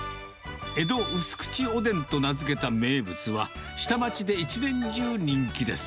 江戸うすくちおでんと名付けた名物は、下町で一年中人気です。